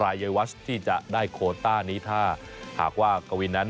รายยายวัชน์ที่ได้โคต้านี้ถ้าหากว่ากัวินนั้น